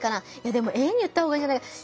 でもＡに言った方がいいんじゃ。